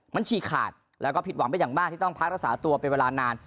มันฉีกขาดแล้วก็ผิดหวังไปอย่างมากที่ต้องพักรักษาตัวเป็นเวลานาน